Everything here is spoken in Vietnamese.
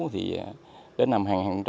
thì đến năm hai nghìn hai mươi năm